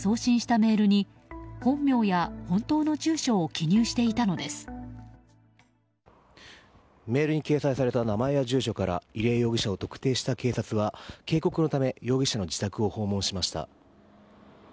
メールに掲載された名前や住所から入江容疑者を特定した警察は警告のため容疑者の自宅を訪問しました。